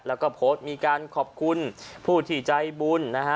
แล้วก็โพสต์มีการขอบคุณผู้ที่ใจบุญนะฮะ